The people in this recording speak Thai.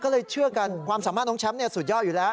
ก็เลยเชื่อกันความสามารถน้องแชมป์สุดยอดอยู่แล้ว